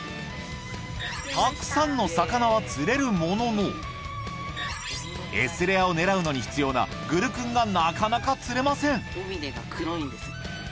たくさんの魚は釣れるもののＳレアを狙うのに必要なグルクンがなかなか釣れません